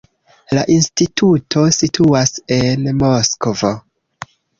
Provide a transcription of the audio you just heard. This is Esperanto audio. La instituto situas en Moskvo.